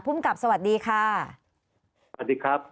ภูมิกับสวัสดีค่ะสวัสดีครับ